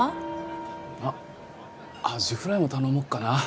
あっアジフライも頼もうかな。